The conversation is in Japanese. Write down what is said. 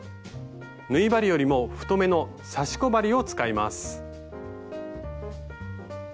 縫い針よりも太めの刺し子針を使います。